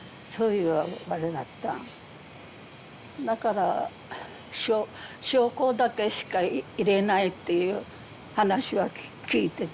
だから将校だけしか入れないという話は聞いてたよ。